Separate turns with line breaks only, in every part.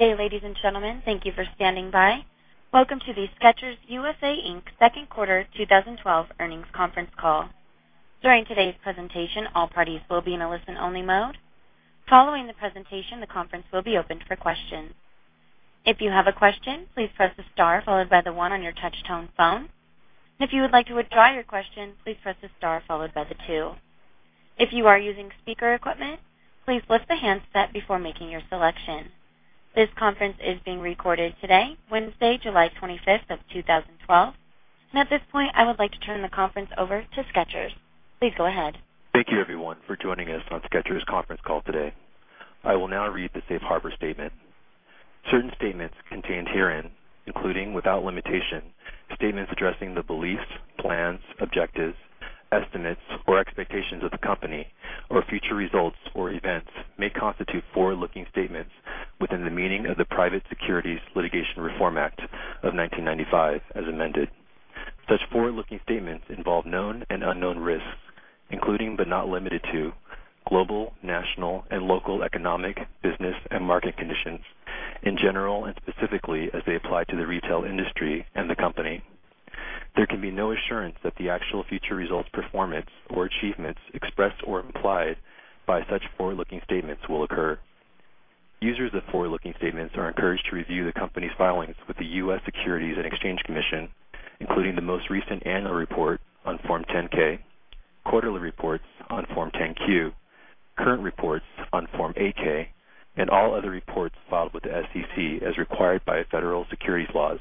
Good day, ladies and gentlemen. Thank you for standing by. Welcome to the Skechers U.S.A., Inc. Second Quarter 2012 Earnings Conference Call. During today's presentation, all parties will be in a listen-only mode. Following the presentation, the conference will be opened for questions. If you have a question, please press the star followed by the one on your touch-tone phone. If you would like to withdraw your question, please press the star followed by the two. If you are using speaker equipment, please lift the handset before making your selection. This conference is being recorded today, Wednesday, July 25th of 2012. At this point, I would like to turn the conference over to Skechers. Please go ahead.
Thank you everyone for joining us on Skechers conference call today. I will now read the safe harbor statement. Certain statements contained herein, including, without limitation, statements addressing the beliefs, plans, objectives, estimates, or expectations of the company or future results or events may constitute forward-looking statements within the meaning of the Private Securities Litigation Reform Act of 1995 as amended. Such forward-looking statements involve known and unknown risks, including but not limited to global, national, and local economic, business, and market conditions in general and specifically as they apply to the retail industry and the company. There can be no assurance that the actual future results, performance, or achievements expressed or implied by such forward-looking statements will occur. Users of forward-looking statements are encouraged to review the company's filings with the U.S. Securities and Exchange Commission, including the most recent annual report on Form 10-K, quarterly reports on Form 10-Q, current reports on Form 8-K, and all other reports filed with the SEC as required by federal securities laws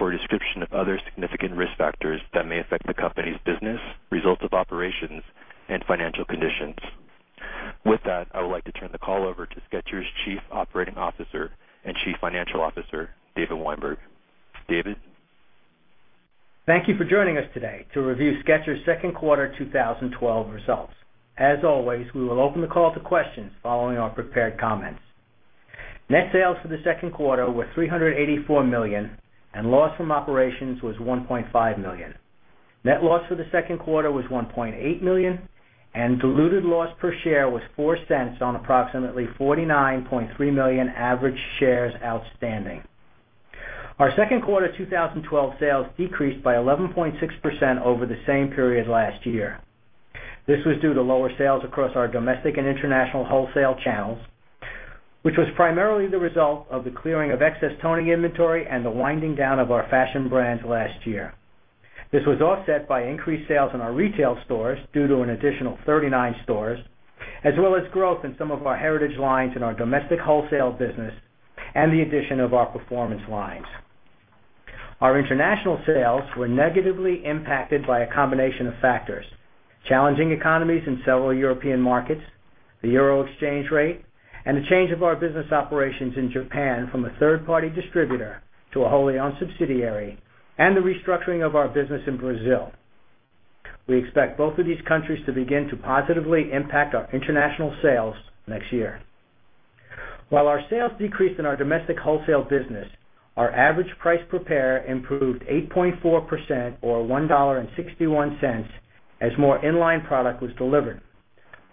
for a description of other significant risk factors that may affect the company's business, results of operations, and financial conditions. With that, I would like to turn the call over to Skechers Chief Operating Officer and Chief Financial Officer, David Weinberg. David?
Thank you for joining us today to review Skechers' second quarter 2012 results. As always, we will open the call to questions following our prepared comments. Net sales for the second quarter were $384 million, and loss from operations was $1.5 million. Net loss for the second quarter was $1.8 million, and diluted loss per share was $0.04 on approximately 49.3 million average shares outstanding. Our second quarter 2012 sales decreased by 11.6% over the same period last year. This was due to lower sales across our domestic and international wholesale channels, which was primarily the result of the clearing of excess toning inventory and the winding down of our fashion brands last year. This was offset by increased sales in our retail stores due to an additional 39 stores, as well as growth in some of our heritage lines in our domestic wholesale business and the addition of our performance lines. Our international sales were negatively impacted by a combination of factors, challenging economies in several European markets, the EUR exchange rate, and the change of our business operations in Japan from a third-party distributor to a wholly owned subsidiary, and the restructuring of our business in Brazil. We expect both of these countries to begin to positively impact our international sales next year. While our sales decreased in our domestic wholesale business, our average price per pair improved 8.4% or $1.61 as more in-line product was delivered.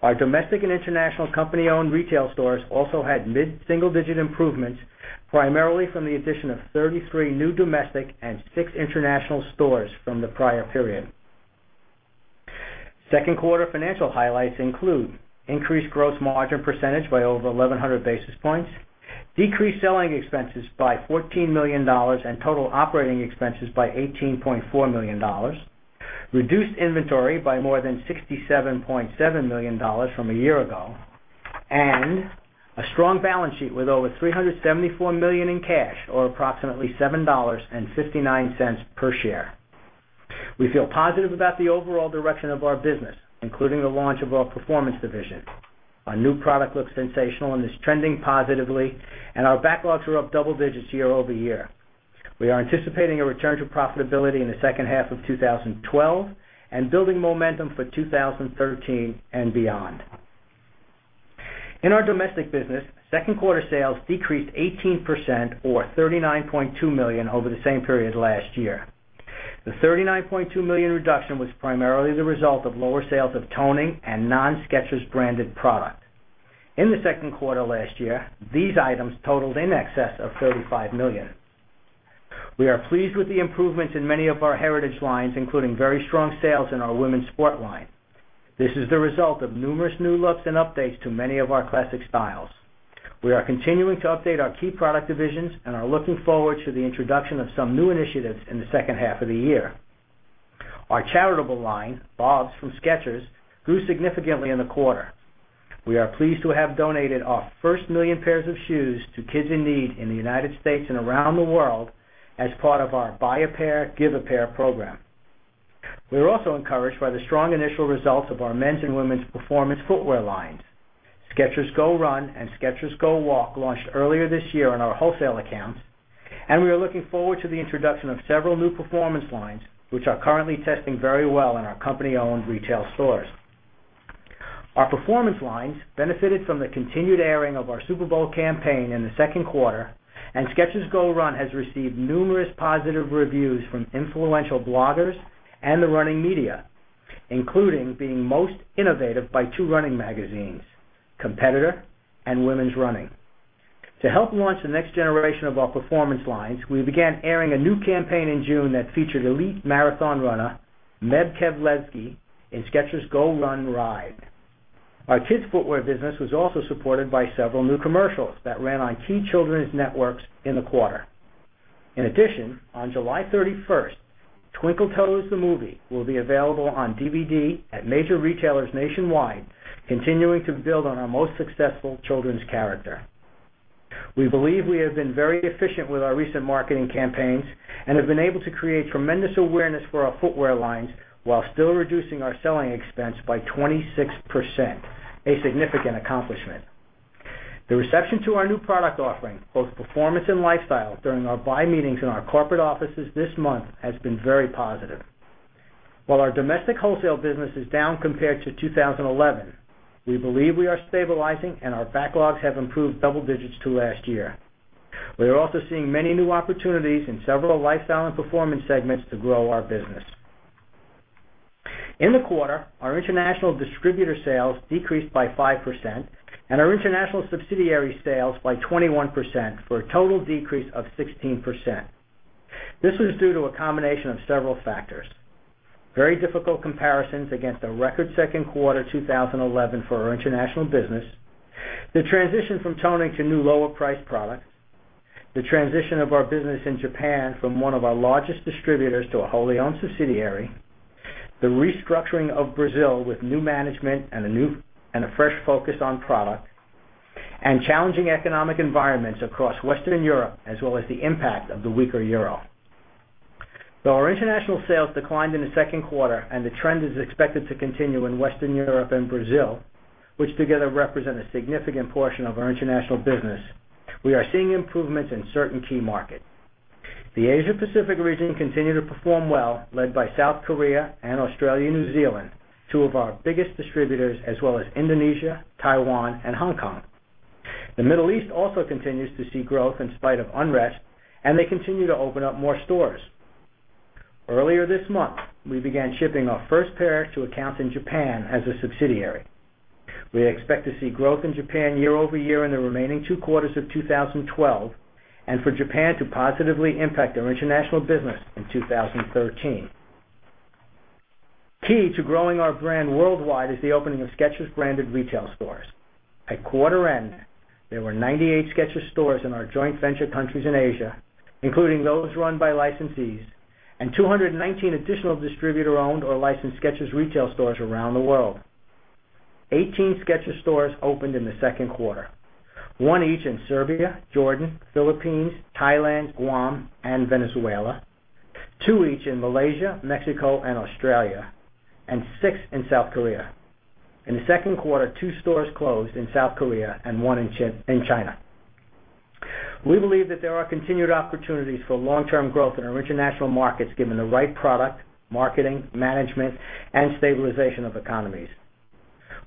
Our domestic and international company-owned retail stores also had mid-single digit improvements, primarily from the addition of 33 new domestic and six international stores from the prior period. Second quarter financial highlights include increased gross margin percentage by over 1,100 basis points, decreased selling expenses by $14 million and total operating expenses by $18.4 million, reduced inventory by more than $67.7 million from a year ago, and a strong balance sheet with over $374 million in cash, or approximately $7.59 per share. We feel positive about the overall direction of our business, including the launch of our performance division. Our new product looks sensational and is trending positively, and our backlogs are up double digits year-over-year. We are anticipating a return to profitability in the second half of 2012 and building momentum for 2013 and beyond. In our domestic business, second quarter sales decreased 18% or $39.2 million over the same period last year. The $39.2 million reduction was primarily the result of lower sales of toning and non-toning Skechers branded product. In the second quarter last year, these items totaled in excess of $35 million. We are pleased with the improvements in many of our heritage lines, including very strong sales in our Women's Sport line. This is the result of numerous new looks and updates to many of our classic styles. We are continuing to update our key product divisions and are looking forward to the introduction of some new initiatives in the second half of the year. Our charitable line, BOBS from Skechers, grew significantly in the quarter. We are pleased to have donated our first million pairs of shoes to kids in need in the United States and around the world as part of our Buy a Pair, Give a Pair program. We are also encouraged by the strong initial results of our men's and women's performance footwear lines. Skechers GOrun and Skechers GOwalk launched earlier this year on our wholesale accounts, and we are looking forward to the introduction of several new performance lines, which are currently testing very well in our company-owned retail stores. Our performance lines benefited from the continued airing of our Super Bowl campaign in the second quarter, and Skechers GOrun has received numerous positive reviews from influential bloggers and the running media. Including being most innovative by two running magazines, Competitor and Women's Running. To help launch the next generation of our performance lines, we began airing a new campaign in June that featured elite marathon runner, Meb Keflezighi, in Skechers GOrun Ride. Our kids' footwear business was also supported by several new commercials that ran on key children's networks in the quarter. In addition, on July 31st, "Twinkle Toes: The Movie" will be available on DVD at major retailers nationwide, continuing to build on our most successful children's character. We believe we have been very efficient with our recent marketing campaigns and have been able to create tremendous awareness for our footwear lines while still reducing our selling expense by 26%, a significant accomplishment. The reception to our new product offering, both performance and lifestyle, during our buy meetings in our corporate offices this month has been very positive. While our domestic wholesale business is down compared to 2011, we believe we are stabilizing, our backlogs have improved double digits to last year. We are also seeing many new opportunities in several lifestyle and performance segments to grow our business. In the quarter, our international distributor sales decreased by 5% and our international subsidiary sales by 21%, for a total decrease of 16%. This was due to a combination of several factors, very difficult comparisons against a record second quarter 2011 for our international business, the transition from toning to new lower priced products, the transition of our business in Japan from one of our largest distributors to a wholly owned subsidiary, the restructuring of Brazil with new management and a fresh focus on product, challenging economic environments across Western Europe, as well as the impact of the weaker euro. Though our international sales declined in the second quarter and the trend is expected to continue in Western Europe and Brazil, which together represent a significant portion of our international business, we are seeing improvements in certain key markets. The Asia Pacific region continued to perform well, led by South Korea and Australia/New Zealand, two of our biggest distributors, as well as Indonesia, Taiwan and Hong Kong. The Middle East also continues to see growth in spite of unrest, they continue to open up more stores. Earlier this month, we began shipping our first pair to accounts in Japan as a subsidiary. We expect to see growth in Japan year-over-year in the remaining two quarters of 2012 and for Japan to positively impact our international business in 2013. Key to growing our brand worldwide is the opening of Skechers-branded retail stores. At quarter end, there were 98 Skechers stores in our joint venture countries in Asia, including those run by licensees, 219 additional distributor-owned or licensed Skechers retail stores around the world. 18 Skechers stores opened in the second quarter, one each in Serbia, Jordan, Philippines, Thailand, Guam and Venezuela, two each in Malaysia, Mexico and Australia, six in South Korea. In the second quarter, two stores closed in South Korea and one in China. We believe that there are continued opportunities for long-term growth in our international markets, given the right product, marketing, management, and stabilization of economies.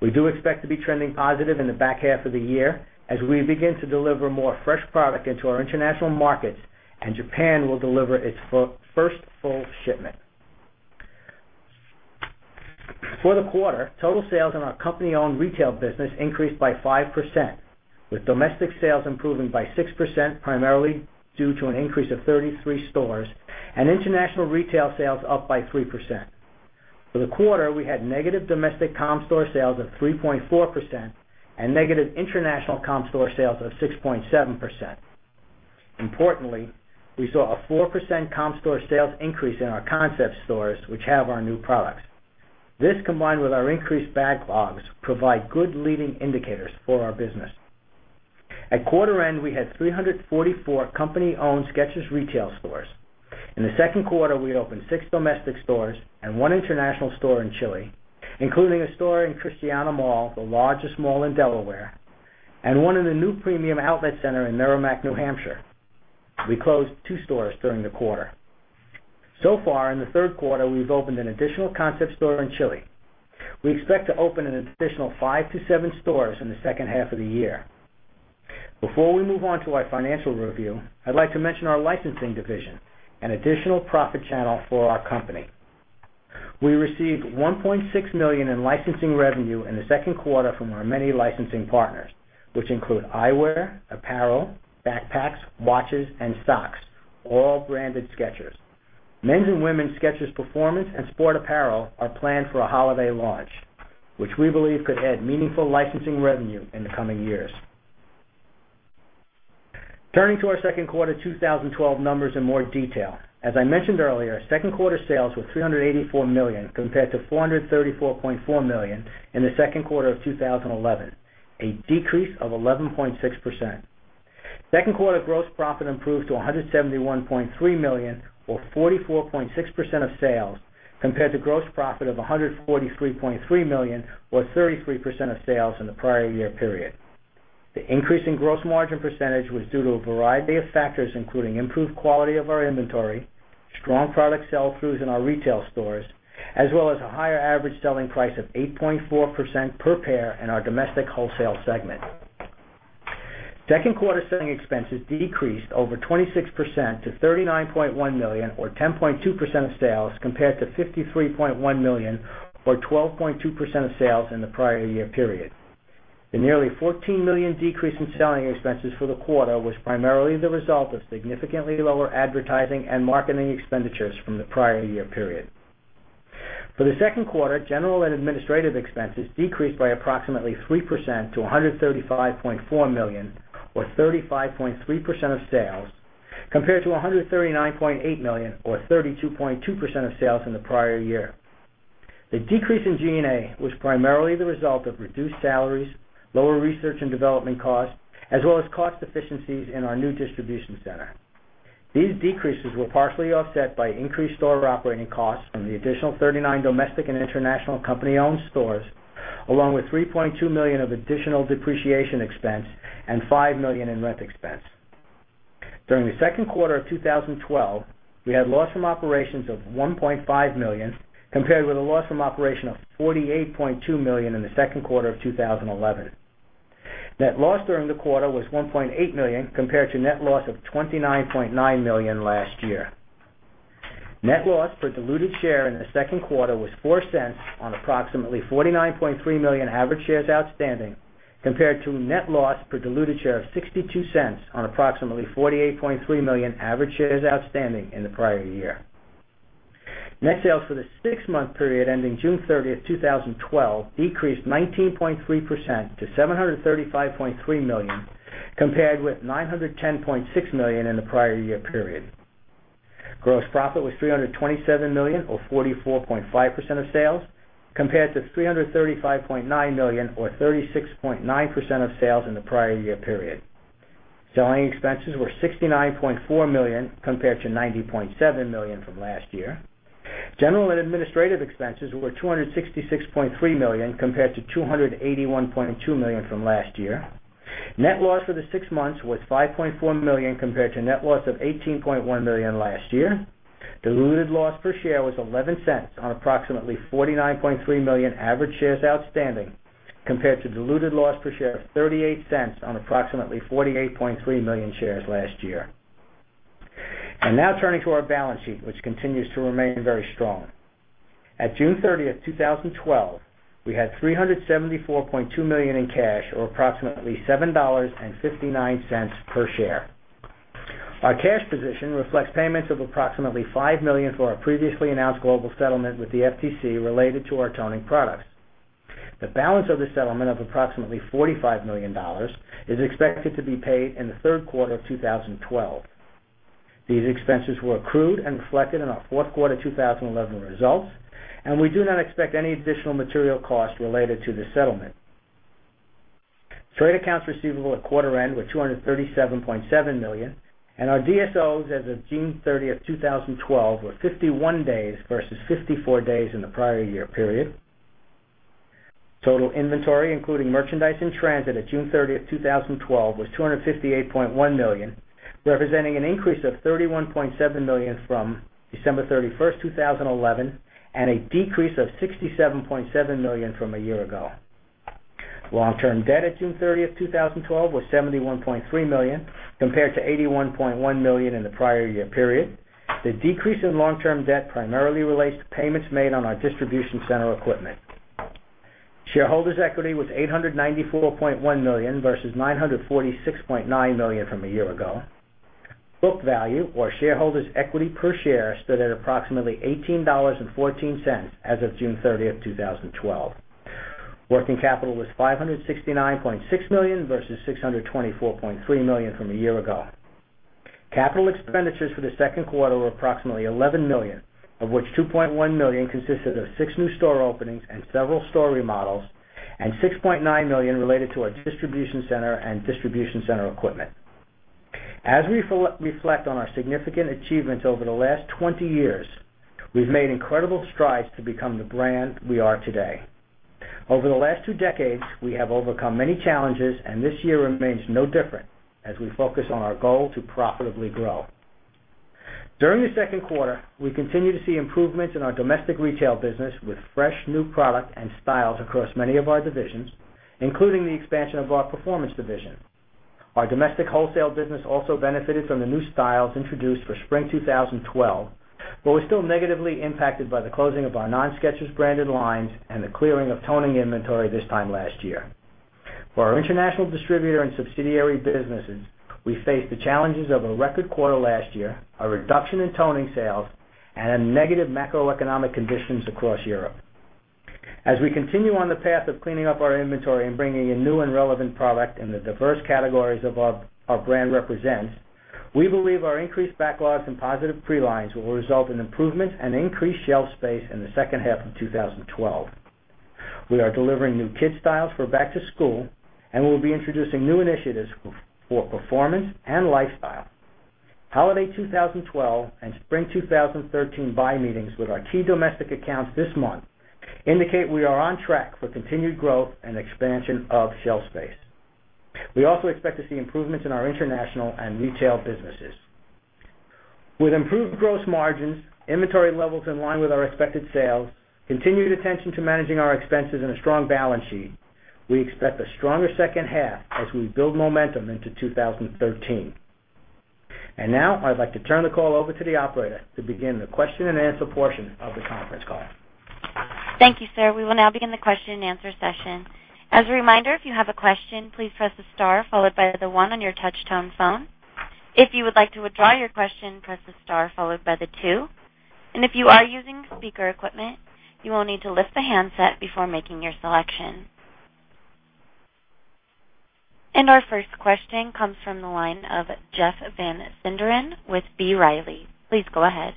We do expect to be trending positive in the back half of the year as we begin to deliver more fresh product into our international markets, Japan will deliver its first full shipment. For the quarter, total sales in our company-owned retail business increased by 5%, with domestic sales improving by 6%, primarily due to an increase of 33 stores, and international retail sales up by 3%. For the quarter, we had negative domestic comp store sales of 3.4% and negative international comp store sales of 6.7%. Importantly, we saw a 4% comp store sales increase in our concept stores, which have our new products. This, combined with our increased backlogs, provide good leading indicators for our business. At quarter end, we had 344 company-owned Skechers retail stores. In the second quarter, we opened six domestic stores and one international store in Chile, including a store in Christiana Mall, the largest mall in Delaware, and one in the new premium outlet center in Merrimack, New Hampshire. We closed two stores during the quarter. Far in the third quarter, we've opened an additional concept store in Chile. We expect to open an additional five to seven stores in the second half of the year. Before we move on to our financial review, I'd like to mention our licensing division, an additional profit channel for our company. We received $1.6 million in licensing revenue in the second quarter from our many licensing partners, which include eyewear, apparel, backpacks, watches, and socks, all branded Skechers. Men's and women's Skechers performance and sport apparel are planned for a holiday launch, which we believe could add meaningful licensing revenue in the coming years. Turning to our second quarter 2012 numbers in more detail. As I mentioned earlier, second quarter sales were $384 million compared to $434.4 million in the second quarter of 2011, a decrease of 11.6%. Second quarter gross profit improved to $171.3 million or 44.6% of sales compared to gross profit of $143.3 million or 33% of sales in the prior year period. The increase in gross margin percentage was due to a variety of factors, including improved quality of our inventory, strong product sell-throughs in our retail stores, as well as a higher average selling price of 8.4% per pair in our domestic wholesale segment. Second quarter selling expenses decreased over 26% to $39.1 million or 10.2% of sales, compared to $53.1 million or 12.2% of sales in the prior year period. The nearly $14 million decrease in selling expenses for the quarter was primarily the result of significantly lower advertising and marketing expenditures from the prior year period. For the second quarter, general and administrative expenses decreased by approximately 3% to $135.4 million or 35.3% of sales, compared to $139.8 million or 32.2% of sales in the prior year. The decrease in G&A was primarily the result of reduced salaries, lower research and development costs, as well as cost efficiencies in our new distribution center. These decreases were partially offset by increased store operating costs from the additional 39 domestic and international company-owned stores, along with $3.2 million of additional depreciation expense and $5 million in rent expense. During the second quarter of 2012, we had loss from operations of $1.5 million compared with a loss from operation of $48.2 million in the second quarter of 2011. Net loss during the quarter was $1.8 million compared to net loss of $29.9 million last year. Net loss per diluted share in the second quarter was $0.04 on approximately 49.3 million average shares outstanding, compared to net loss per diluted share of $0.62 on approximately 48.3 million average shares outstanding in the prior year. Net sales for the six-month period ending June 30th, 2012, decreased 19.3% to $735.3 million, compared with $910.6 million in the prior year period. Gross profit was $327 million or 44.5% of sales, compared to $335.9 million or 36.9% of sales in the prior year period. Selling expenses were $69.4 million compared to $90.7 million from last year. General and administrative expenses were $266.3 million compared to $281.2 million from last year. Net loss for the six months was $5.4 million compared to net loss of $18.1 million last year. Diluted loss per share was $0.11 on approximately 49.3 million average shares outstanding, compared to diluted loss per share of $0.38 on approximately 48.3 million shares last year. I'm now turning to our balance sheet, which continues to remain very strong. At June 30th, 2012, we had $374.2 million in cash, or approximately $7.59 per share. Our cash position reflects payments of approximately $5 million for our previously announced global settlement with the FTC related to our toning products. The balance of the settlement of approximately $45 million is expected to be paid in the third quarter of 2012. These expenses were accrued and reflected in our fourth quarter 2011 results, and we do not expect any additional material costs related to the settlement. Trade accounts receivable at quarter end were $237.7 million, and our DSOs as of June 30th, 2012, were 51 days versus 54 days in the prior year period. Total inventory, including merchandise in transit at June 30th, 2012, was $258.1 million, representing an increase of $31.7 million from December 31st, 2011, and a decrease of $67.7 million from a year ago. Long-term debt at June 30th, 2012, was $71.3 million compared to $81.1 million in the prior year period. The decrease in long-term debt primarily relates to payments made on our distribution center equipment. Shareholders' equity was $894.1 million versus $946.9 million from a year ago. Book value or shareholders' equity per share stood at approximately $18.14 as of June 30th, 2012. Working capital was $569.6 million versus $624.3 million from a year ago. Capital expenditures for the second quarter were approximately $11 million, of which $2.1 million consisted of six new store openings and several store remodels and $6.9 million related to our distribution center and distribution center equipment. As we reflect on our significant achievements over the last 20 years, we've made incredible strides to become the brand we are today. Over the last two decades, we have overcome many challenges, and this year remains no different as we focus on our goal to profitably grow. During the second quarter, we continue to see improvements in our domestic retail business with fresh new product and styles across many of our divisions, including the expansion of our performance division. Our domestic wholesale business also benefited from the new styles introduced for Spring 2012, but was still negatively impacted by the closing of our non-Skechers-branded lines and the clearing of toning inventory this time last year. For our international distributor and subsidiary businesses, we faced the challenges of a record quarter last year, a reduction in toning sales, and negative macroeconomic conditions across Europe. As we continue on the path of cleaning up our inventory and bringing in new and relevant product in the diverse categories our brand represents, we believe our increased backlogs and positive pre-lines will result in improvements and increased shelf space in the second half of 2012. We are delivering new kid styles for back to school. We'll be introducing new initiatives for performance and lifestyle. Holiday 2012 and Spring 2013 buy meetings with our key domestic accounts this month indicate we are on track for continued growth and expansion of shelf space. We also expect to see improvements in our international and retail businesses. With improved gross margins, inventory levels in line with our expected sales, continued attention to managing our expenses, and a strong balance sheet, we expect a stronger second half as we build momentum into 2013. Now, I'd like to turn the call over to the operator to begin the question and answer portion of the conference call.
Thank you, sir. We will now begin the question and answer session. As a reminder, if you have a question, please press the star followed by the one on your touch tone phone. If you would like to withdraw your question, press the star followed by the two, and if you are using speaker equipment, you will need to lift the handset before making your selection. Our first question comes from the line of Jeff Van Sinderen with B. Riley. Please go ahead.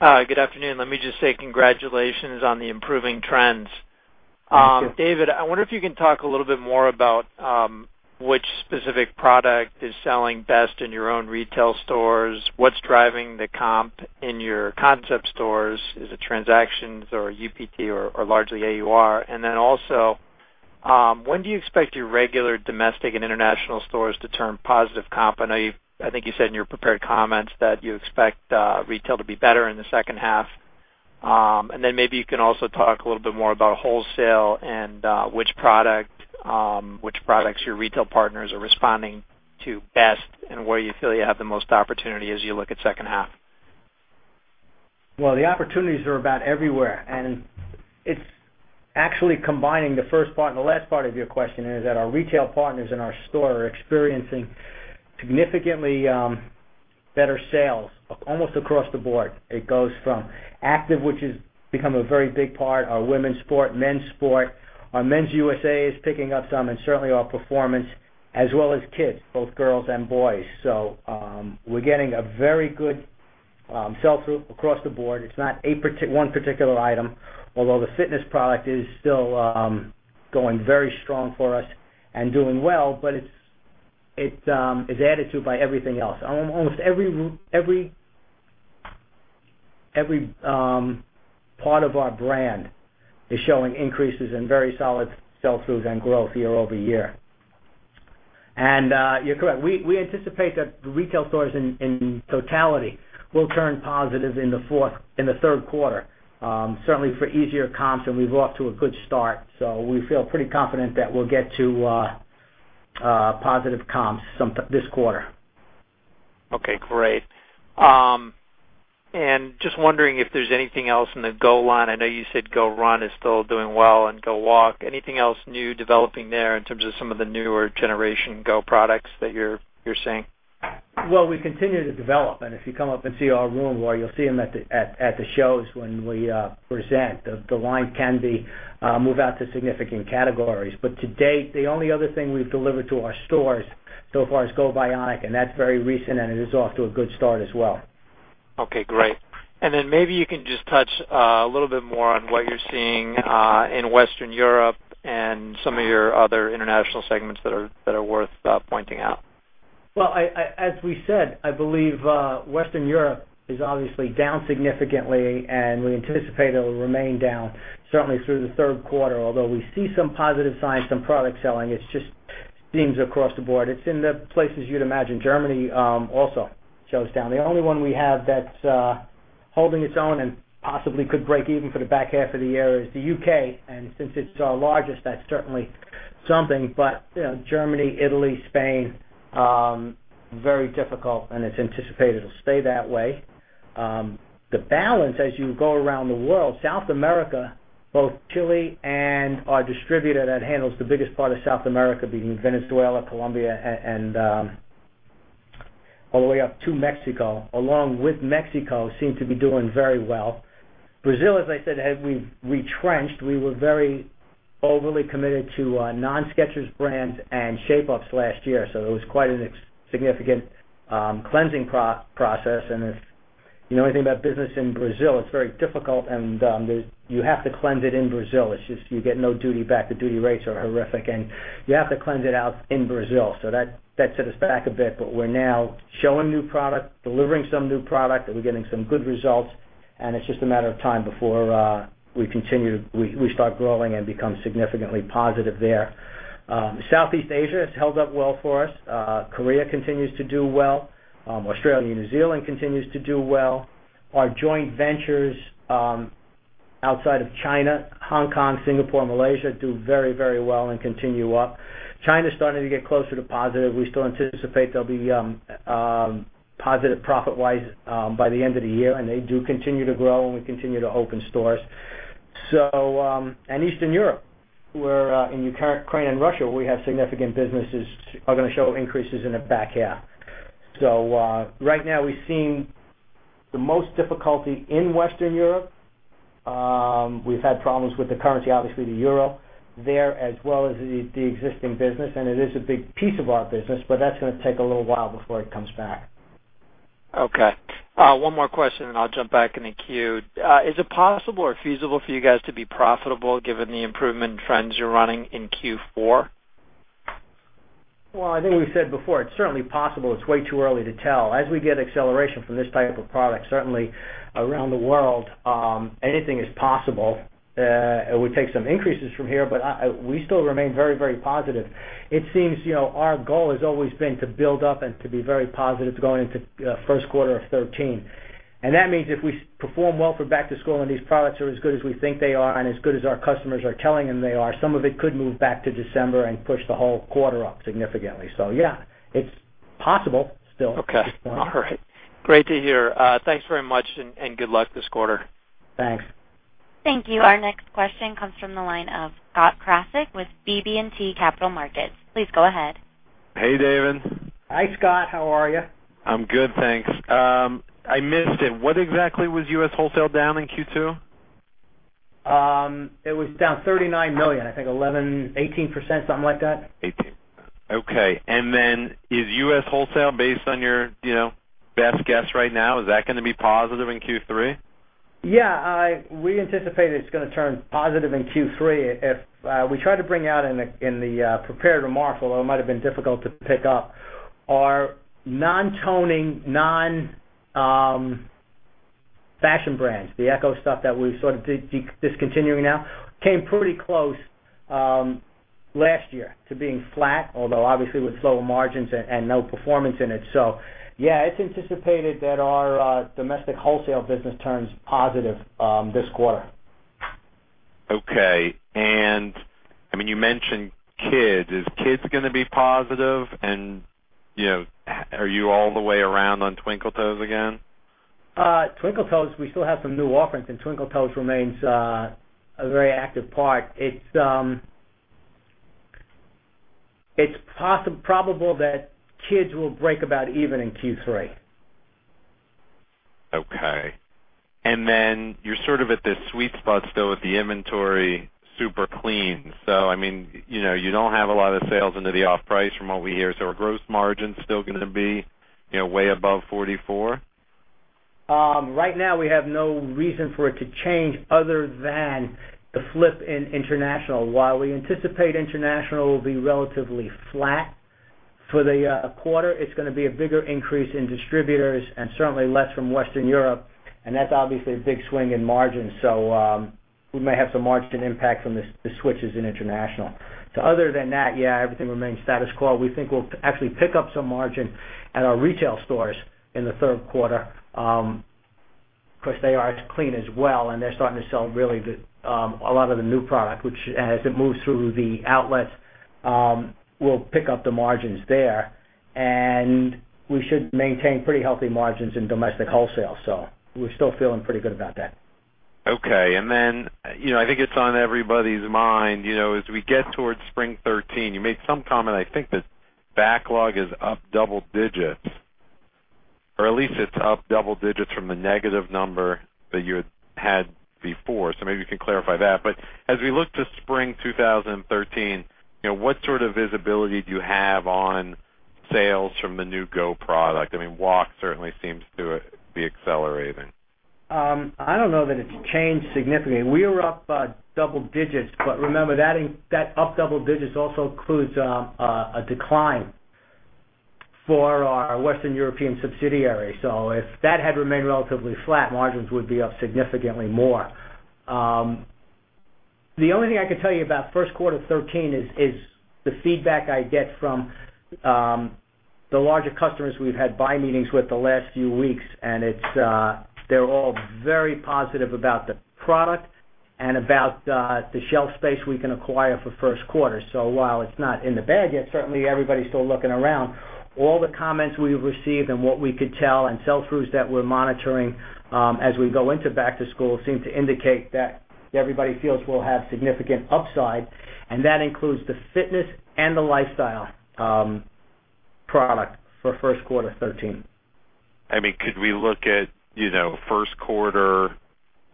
Good afternoon. Let me just say congratulations on the improving trends.
Thank you.
David, I wonder if you can talk a little bit more about which specific product is selling best in your own retail stores. What's driving the comp in your concept stores? Is it transactions or UPT or largely AUR? When do you expect your regular domestic and international stores to turn positive comp? I think you said in your prepared comments that you expect retail to be better in the second half. Maybe you can also talk a little bit more about wholesale and which products your retail partners are responding to best and where you feel you have the most opportunity as you look at second half.
Well, the opportunities are about everywhere, and it's actually combining the first part and the last part of your question is that our retail partners in our store are experiencing significantly better sales almost across the board. It goes from active, which has become a very big part, our women's sport, men's sport. Our Skechers Men's USA is picking up some and certainly our performance as well as kids, both girls and boys. We're getting a very good sell-through across the board. It's not one particular item, although the fitness product is still going very strong for us and doing well, but it's added to by everything else. Almost every part of our brand is showing increases in very solid sell-throughs and growth year-over-year. You're correct. We anticipate that the retail stores in totality will turn positive in the third quarter, certainly for easier comps, we're off to a good start. We feel pretty confident that we'll get to positive comps this quarter.
Okay, great. Just wondering if there's anything else in the GO line. I know you said GOrun is still doing well and GOwalk. Anything else new developing there in terms of some of the newer generation GO products that you're seeing?
We continue to develop, and if you come up and see our room or you'll see them at the shows when we present, the line can move out to significant categories. To date, the only other thing we've delivered to our stores so far is GObionic, and that's very recent, and it is off to a good start as well.
Okay, great. Maybe you can just touch a little bit more on what you're seeing in Western Europe and some of your other international segments that are worth pointing out.
As we said, I believe Western Europe is obviously down significantly. We anticipate it'll remain down certainly through the third quarter, although we see some positive signs, some product selling, it's just themes across the board. It's in the places you'd imagine. Germany also shows down. The only one we have that's holding its own and possibly could break even for the back half of the year is the U.K. Since it's our largest, that's certainly something. Germany, Italy, Spain, very difficult, and it's anticipated to stay that way. The balance as you go around the world, South America, both Chile and our distributor that handles the biggest part of South America, being Venezuela, Colombia, and all the way up to Mexico, along with Mexico, seem to be doing very well. Brazil, as I said, we retrenched. We were very overly committed to non-Skechers brands and Shape-ups last year, it was quite a significant cleansing process. If you know anything about business in Brazil, it's very difficult, and you have to cleanse it in Brazil. You get no duty back. The duty rates are horrific, and you have to cleanse it out in Brazil. That set us back a bit, but we're now showing new product, delivering some new product, and we're getting some good results, and it's just a matter of time before we start growing and become significantly positive there. Southeast Asia has held up well for us. Korea continues to do well. Australia, New Zealand continues to do well. Our joint ventures outside of China, Hong Kong, Singapore, Malaysia, do very well and continue up. China's starting to get closer to positive. Okay. We still anticipate they'll be positive profit-wise by the end of the year, and they do continue to grow, and we continue to open stores. Eastern Europe, in Ukraine and Russia, we have significant businesses are going to show increases in the back half. Right now, we've seen the most difficulty in Western Europe. We've had problems with the currency, obviously the euro there as well as the existing business, and it is a big piece of our business, but that's going to take a little while before it comes back.
Okay. One more question, and I'll jump back in the queue. Is it possible or feasible for you guys to be profitable given the improvement in trends you're running in Q4?
Well, I think we said before, it's certainly possible. It's way too early to tell. As we get acceleration for this type of product, certainly around the world, anything is possible. It would take some increases from here, but we still remain very positive. It seems our goal has always been to build up and to be very positive going into first quarter of 2013. That means if we perform well for back to school and these products are as good as we think they are and as good as our customers are telling them they are, some of it could move back to December and push the whole quarter up significantly. Yeah, it's possible still.
Okay. All right. Great to hear. Thanks very much and good luck this quarter.
Thanks.
Thank you. Our next question comes from the line of Scott Krasik with BB&T Capital Markets. Please go ahead.
Hey, David.
Hi, Scott. How are you?
I'm good, thanks. I missed it. What exactly was U.S. wholesale down in Q2?
It was down $39 million, I think 18%, something like that.
18%. Okay. Then is U.S. wholesale based on your best guess right now, is that going to be positive in Q3?
Yeah, we anticipate it's going to turn positive in Q3. We tried to bring out in the prepared remarks, although it might have been difficult to pick up, our non-toning, non-fashion brands, the Ecko stuff that we're sort of discontinuing now, came pretty close last year to being flat, although obviously with lower margins and no performance in it. Yeah, it's anticipated that our domestic wholesale business turns positive this quarter.
Okay. You mentioned kids. Is kids going to be positive? Are you all the way around on Twinkle Toes again?
Twinkle Toes, we still have some new offerings. Twinkle Toes remains a very active part. It's probable that kids will break about even in Q3.
Okay. You're sort of at this sweet spot still with the inventory super clean. You don't have a lot of sales into the off-price from what we hear. Are gross margins still going to be way above 44%?
Right now, we have no reason for it to change other than the flip in international. While we anticipate international will be relatively flat for the quarter, it's going to be a bigger increase in distributors and certainly less from Western Europe. That's obviously a big swing in margins. We may have some margin impact from the switches in international. Other than that, yeah, everything remains status quo. We think we'll actually pick up some margin at our retail stores in the third quarter because they are as clean as well. They're starting to sell really a lot of the new product, which as it moves through the outlets, we'll pick up the margins there, and we should maintain pretty healthy margins in domestic wholesale. We're still feeling pretty good about that.
I think it's on everybody's mind, as we get towards spring 2013, you made some comment, I think that backlog is up double digits, or at least it's up double digits from the negative number that you had before. Maybe you can clarify that. As we look to spring 2013, what sort of visibility do you have on sales from the new GO product? GOwalk certainly seems to be accelerating.
I don't know that it's changed significantly. We were up double digits, but remember, that up double digits also includes a decline for our Western European subsidiary. If that had remained relatively flat, margins would be up significantly more. The only thing I can tell you about first quarter 2013 is the feedback I get from the larger customers we've had buy meetings with the last few weeks, and they're all very positive about the product and about the shelf space we can acquire for the first quarter. While it's not in the bag yet, certainly everybody's still looking around. All the comments we've received and what we could tell and sell-throughs that we're monitoring as we go into back to school seem to indicate that everybody feels we'll have significant upside, and that includes the fitness and the lifestyle product for first quarter 2013.
Could we look at first quarter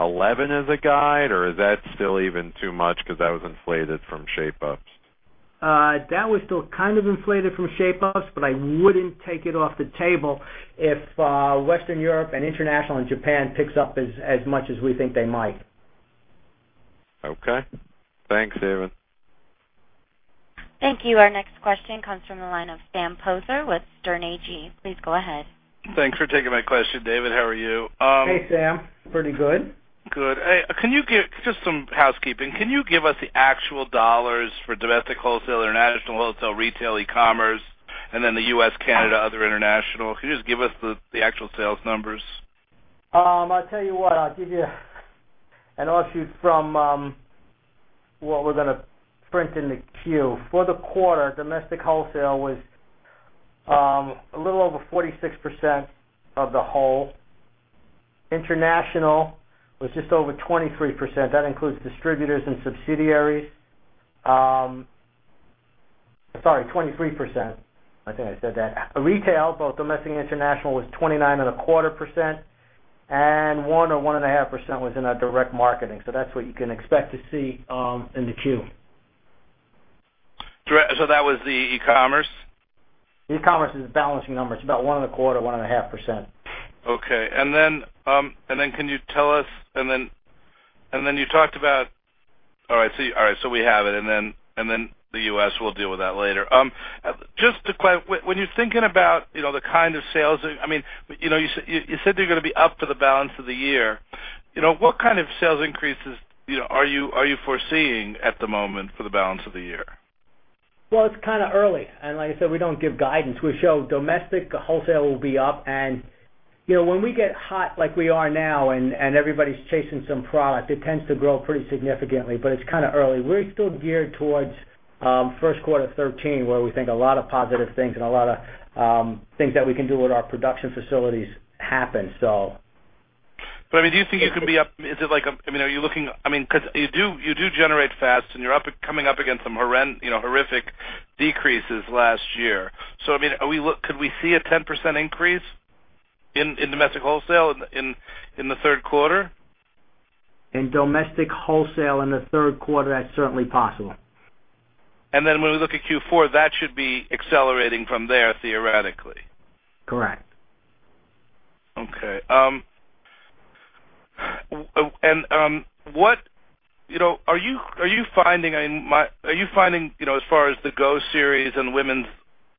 2011 as a guide, or is that still even too much because that was inflated from Shape-ups?
That was still kind of inflated from Shape-ups, but I wouldn't take it off the table if Western Europe and International and Japan picks up as much as we think they might.
Okay. Thanks, David.
Thank you. Our next question comes from the line of Sam Poser with Sterne Agee. Please go ahead.
Thanks for taking my question, David. How are you?
Hey, Sam. Pretty good.
Good. Just some housekeeping. Can you give us the actual dollars for domestic wholesale, international wholesale, retail, e-commerce, and then the U.S., Canada, other international? Can you just give us the actual sales numbers?
I'll tell you what, I'll give you an offshoot from what we're going to print in the Q. For the quarter, domestic wholesale was a little over 46% of the whole. International was just over 23%. That includes distributors and subsidiaries. Sorry, 23%. I think I said that. Retail, both domestic and international, was 29.25%, and 1% or 1.5% was in our direct marketing. That's what you can expect to see in the Q.
That was the e-commerce?
E-commerce is a balancing number. It's about 1.25%, 1.5%.
Okay. Can you tell us, you talked about-- All right, we have it, the U.S., we'll deal with that later. Just a quick, when you're thinking about the kind of sales, you said they're going to be up for the balance of the year. What kind of sales increases are you foreseeing at the moment for the balance of the year?
Well, it's kind of early, like I said, we don't give guidance. We show domestic wholesale will be up. When we get hot like we are now, everybody's chasing some product, it tends to grow pretty significantly, it's kind of early. We're still geared towards first quarter 2013, where we think a lot of positive things and a lot of things that we can do with our production facilities happen.
Do you think you can be up? Because you do generate fast, and you're coming up against some horrific decreases last year. Could we see a 10% increase in domestic wholesale in the third quarter?
In domestic wholesale in the third quarter, that's certainly possible.
When we look at Q4, that should be accelerating from there theoretically.
Correct.
Okay. Are you finding, as far as the Go series and women's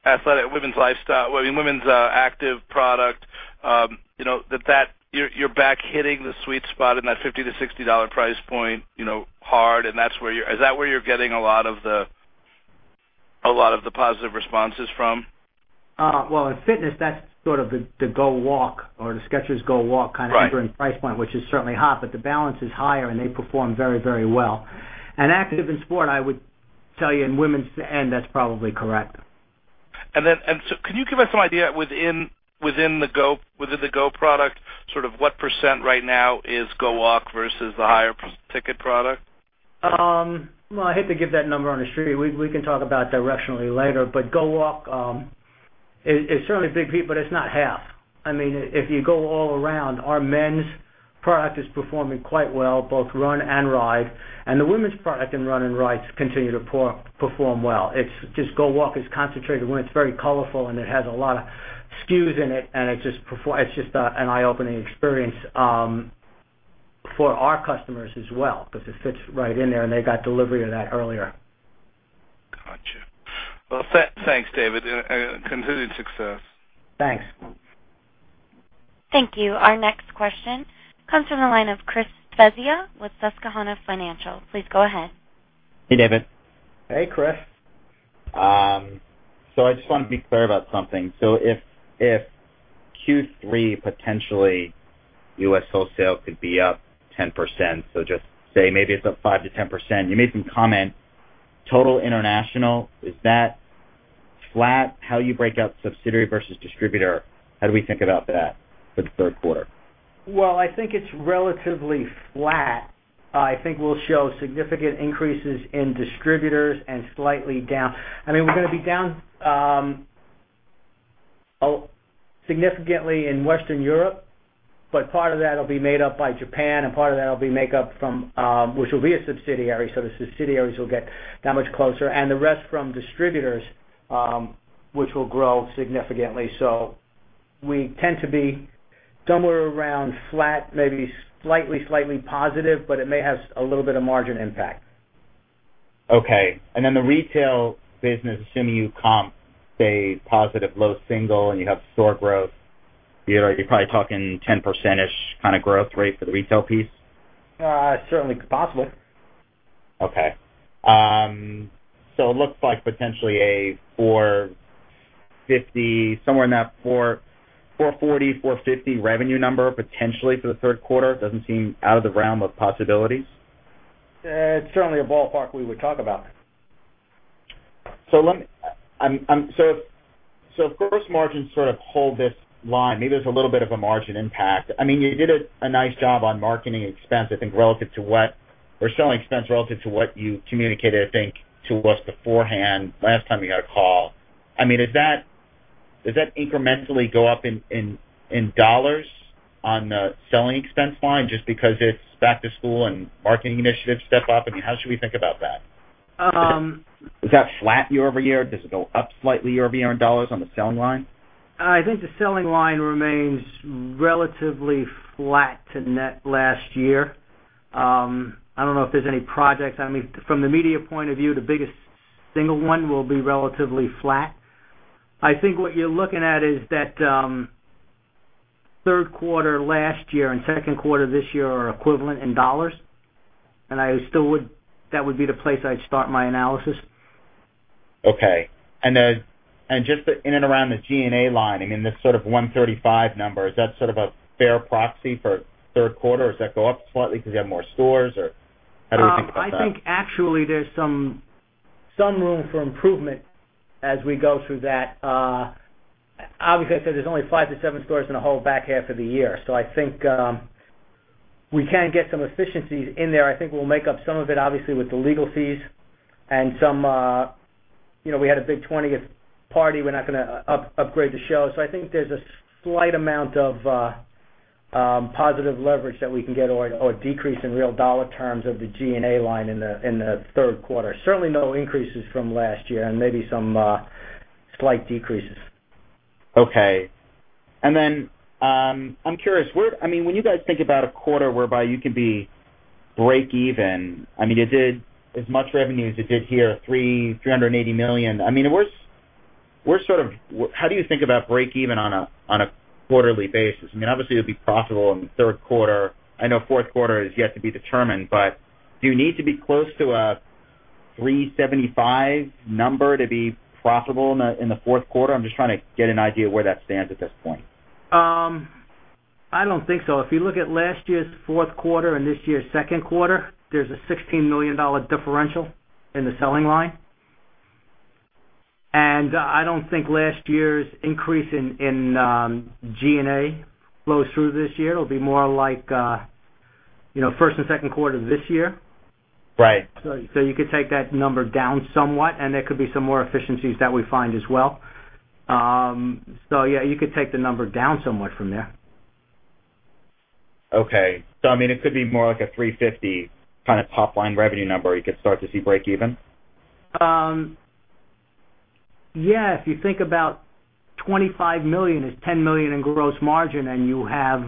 athletic, women's lifestyle, women's active product, that you're back hitting the sweet spot in that $50-$60 price point hard, is that where you're getting a lot of the positive responses from?
Well, in fitness, that's sort of the GOwalk or the Skechers GOwalk kind of.
Right
entering price point, which is certainly hot, but the balance is higher, and they perform very well. Active in sport, I would tell you in women's end, that's probably correct.
Can you give us some idea within the GO product, sort of what % right now is GOwalk versus the higher ticket product?
Well, I hate to give that number on a stream. We can talk about directionally later, GOwalk is certainly a big piece, it's not half. If you go all around, our men's product is performing quite well, both Run and Ride, and the women's product in Run and Rides continue to perform well. It's just GOwalk is concentrated, where it's very colorful, and it has a lot of SKUs in it, and it's just an eye-opening experience for our customers as well because it fits right in there, and they got delivery of that earlier.
Got you. Well, thanks, David, continued success.
Thanks.
Thank you. Our next question comes from the line of Chris Svezia with Susquehanna Financial. Please go ahead.
Hey, David.
Hey, Chris.
I just wanted to be clear about something. If Q3, potentially, U.S. wholesale could be up 10%, just say maybe it's up 5%-10%, you made some comment, total international, is that flat? How you break out subsidiary versus distributor, how do we think about that for the third quarter?
I think it's relatively flat. I think we'll show significant increases in distributors and slightly down. We're going to be down significantly in Western Europe, but part of that will be made up by Japan, and part of that will be make up from, which will be a subsidiary. The subsidiaries will get that much closer. The rest from distributors, which will grow significantly. We tend to be somewhere around flat, maybe slightly positive, but it may have a little bit of margin impact.
Okay. The retail business, assuming you comp, say, positive low single and you have store growth, you're probably talking 10%-ish kind of growth rate for the retail piece?
Certainly possible.
Okay. It looks like potentially a $450, somewhere in that $440, $450 revenue number potentially for the third quarter. Doesn't seem out of the realm of possibilities.
It's certainly a ballpark we would talk about.
If gross margins sort of hold this line, maybe there's a little bit of a margin impact. You did a nice job on marketing expense, I think, relative to what or selling expense relative to what you communicated, I think, to us beforehand last time you got a call. Does that incrementally go up in $ on the selling expense line just because it's back to school and marketing initiatives step up? How should we think about that? Is that flat year-over-year? Does it go up slightly year-over-year in $ on the selling line?
I think the selling line remains relatively flat to net last year. I don't know if there's any projects. From the media point of view, the biggest single one will be relatively flat. I think what you're looking at is that third quarter last year and second quarter this year are equivalent in $. That would be the place I'd start my analysis.
Okay. Just in and around the G&A line, again, this sort of $135 number, is that sort of a fair proxy for third quarter or does that go up slightly because you have more stores or how do we think about that?
I think actually there's some room for improvement as we go through that. Obviously, I said there's only five to seven stores in the whole back half of the year, so I think we can get some efficiencies in there. I think we'll make up some of it, obviously, with the legal fees and we had a big 20th party. We're not going to upgrade the show. I think there's a slight amount of positive leverage that we can get or a decrease in real dollar terms of the G&A line in the third quarter. Certainly no increases from last year and maybe some slight decreases.
Okay. I'm curious, when you guys think about a quarter whereby you can be break even, as much revenue as you did here, $380 million. How do you think about break even on a quarterly basis? Obviously, you'll be profitable in the third quarter. I know fourth quarter is yet to be determined, but do you need to be close to a $375 number to be profitable in the fourth quarter? I'm just trying to get an idea of where that stands at this point.
I don't think so. If you look at last year's fourth quarter and this year's second quarter, there's a $16 million differential in the selling line. I don't think last year's increase in G&A flows through this year. It'll be more like first and second quarter this year.
Right.
You could take that number down somewhat, and there could be some more efficiencies that we find as well. Yeah, you could take the number down somewhat from there.
Okay. It could be more like a $350 kind of top-line revenue number, you could start to see break even?
Yeah. If you think about $25 million is $10 million in gross margin, you have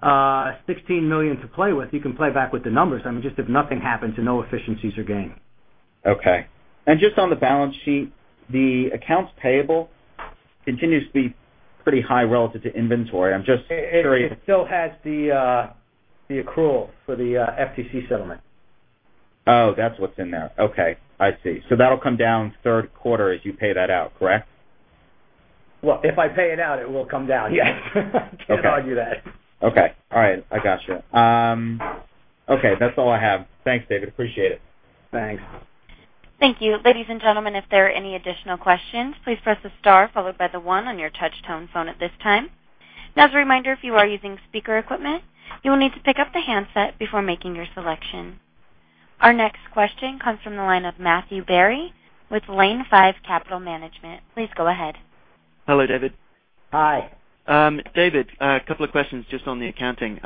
$16 million to play with, you can play back with the numbers. Just if nothing happens and no efficiencies are gained.
Okay. Just on the balance sheet, the accounts payable continues to be pretty high relative to inventory. I'm just curious.
It still has the accrual for the FTC settlement.
Oh, that's what's in there. Okay. I see. That'll come down third quarter as you pay that out, correct?
Well, if I pay it out, it will come down, yes.
Okay.
I can't argue that.
Okay. All right. I got you. Okay. That's all I have. Thanks, David. Appreciate it.
Thanks.
Thank you. Ladies and gentlemen, if there are any additional questions, please press the star followed by the 1 on your touch tone phone at this time. As a reminder, if you are using speaker equipment, you will need to pick up the handset before making your selection. Our next question comes from the line of Matthew Berry with Lane Five Capital Management. Please go ahead.
Hello, David.
Hi.
David, a couple of questions just on the accounting.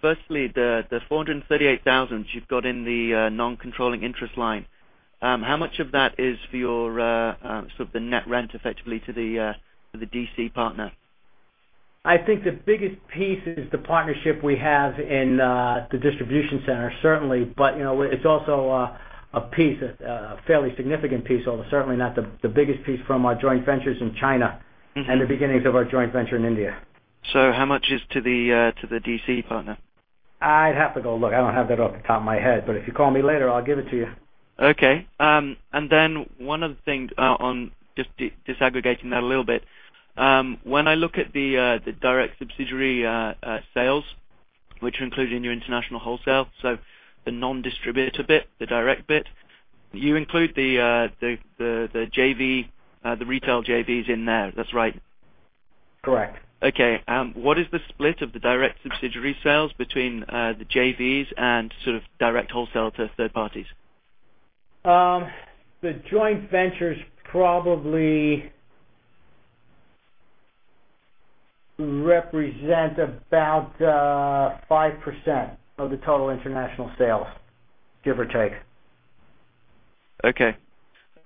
Firstly, the $438,000 that you've got in the non-controlling interest line. How much of that is for your sort of the net rent effectively to the DC partner?
I think the biggest piece is the partnership we have in the distribution center, certainly, it's also a piece, a fairly significant piece, although certainly not the biggest piece from our joint ventures in China. The beginnings of our joint venture in India.
How much is to the D.C. partner?
I'd have to go look. I don't have that off the top of my head, but if you call me later, I'll give it to you.
Okay. Then one other thing on just disaggregating that a little bit. When I look at the direct subsidiary sales, which are included in your international wholesale, the non-distributor bit, the direct bit, you include the retail JVs in there. That's right?
Correct.
Okay. What is the split of the direct subsidiary sales between the JVs and sort of direct wholesale to third parties?
The joint ventures probably represent about 5% of the total international sales, give or take.
Okay.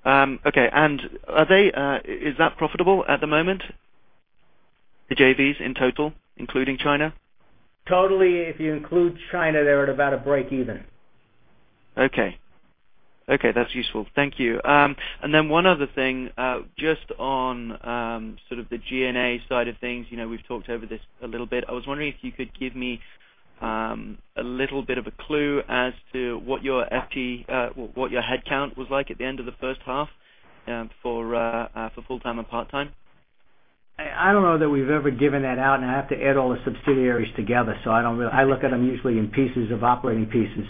Is that profitable at the moment, the JVs in total, including China?
Totally, if you include China, they're at about a break even.
Okay. That's useful. Thank you. One other thing, just on sort of the G&A side of things. We've talked over this a little bit. I was wondering if you could give me a little bit of a clue as to what your head count was like at the end of the first half for full-time and part-time.
I don't know that we've ever given that out. I have to add all the subsidiaries together. I look at them usually in pieces of operating pieces.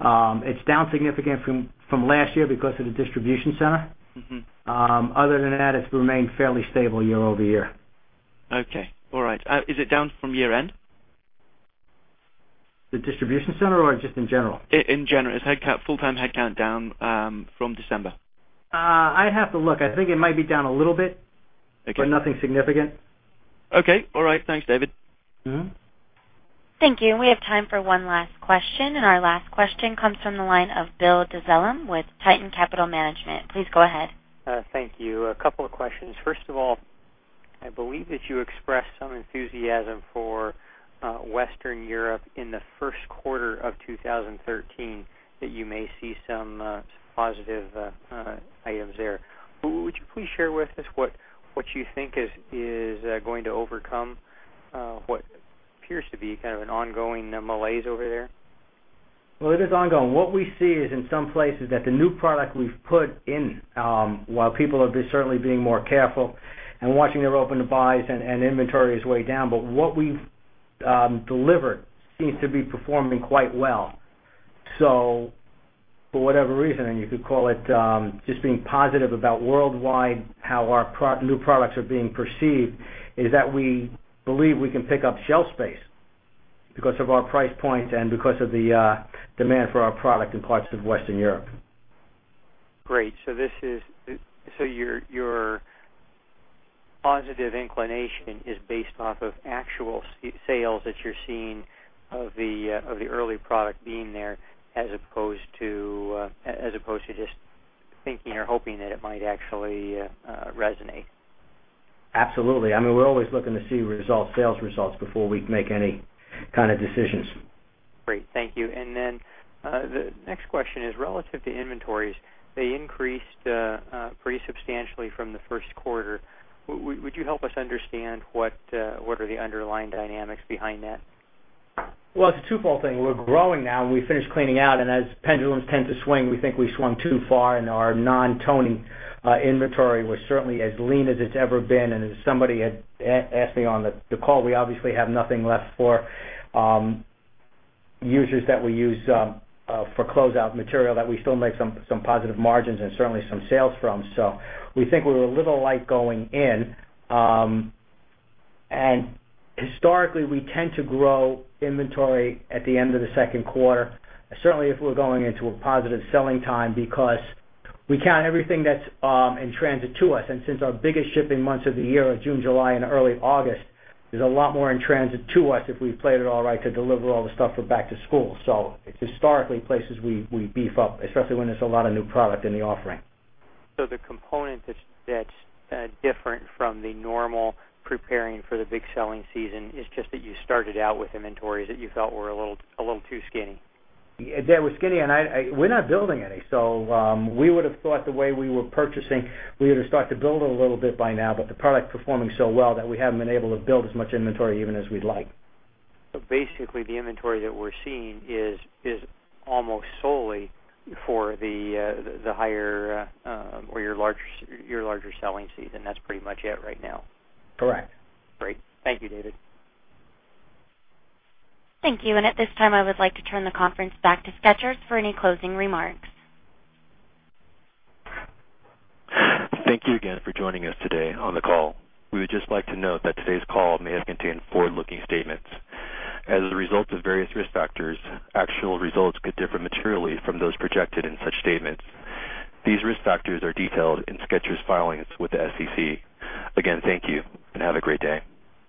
It's down significant from last year because of the distribution center. Other than that, it's remained fairly stable year-over-year.
Okay. All right. Is it down from year end?
The distribution center or just in general?
In general. Is full-time head count down from December?
I'd have to look. I think it might be down a little bit.
Okay.
Nothing significant.
Okay. All right. Thanks, David.
Thank you. We have time for one last question. Our last question comes from the line of Bill Dezellem with Tieton Capital Management. Please go ahead.
Thank you. A couple of questions. First of all, I believe that you expressed some enthusiasm for Western Europe in the first quarter of 2013, that you may see some positive items there. Would you please share with us what you think is going to overcome what appears to be kind of an ongoing malaise over there?
Well, it is ongoing. What we see is in some places that the new product we've put in, while people are certainly being more careful and watching their open to buys and inventory is way down. What we've delivered seems to be performing quite well. For whatever reason, you could call it just being positive about worldwide, how our new products are being perceived, is that we believe we can pick up shelf space because of our price points and because of the demand for our product in parts of Western Europe.
Great. Your positive inclination is based off of actual sales that you're seeing of the early product being there, as opposed to just thinking or hoping that it might actually resonate.
Absolutely. We're always looking to see sales results before we make any kind of decisions.
Great. Thank you. The next question is relative to inventories. They increased pretty substantially from the first quarter. Would you help us understand what are the underlying dynamics behind that?
Well, it's a twofold thing. We're growing now, and we finished cleaning out, and as pendulums tend to swing, we think we swung too far, and our non-toning inventory was certainly as lean as it's ever been. As somebody had asked me on the call, we obviously have nothing left for users that we use for closeout material that we still make some positive margins and certainly some sales from. We think we're a little light going in. Historically, we tend to grow inventory at the end of the second quarter, certainly if we're going into a positive selling time, because we count everything that's in transit to us. Since our biggest shipping months of the year are June, July, and early August, there's a lot more in transit to us if we've played it all right to deliver all the stuff for back to school. It's historically places we beef up, especially when there's a lot of new product in the offering.
The component that's different from the normal preparing for the big selling season is just that you started out with inventories that you felt were a little too skinny.
They were skinny, and we're not building any. We would've thought the way we were purchasing, we would've start to build a little bit by now, but the product performing so well that we haven't been able to build as much inventory even as we'd like.
Basically the inventory that we're seeing is almost solely for the higher or your larger selling season. That's pretty much it right now.
Correct.
Great. Thank you, David.
Thank you. At this time, I would like to turn the conference back to Skechers for any closing remarks.
Thank you again for joining us today on the call. We would just like to note that today's call may have contained forward-looking statements. As a result of various risk factors, actual results could differ materially from those projected in such statements. These risk factors are detailed in Skechers' filings with the SEC. Again, thank you, and have a great day.